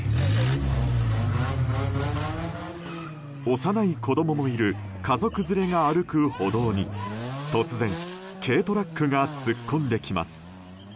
幼い子供もいる家族連れが歩く歩道に突然、軽トラックが突っ込んできます。